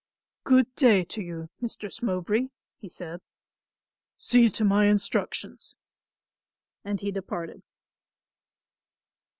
"Good day to you, Mistress Mowbray," he said, "see to my instructions," and he departed.